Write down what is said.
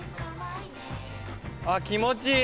あっ気持ちいい。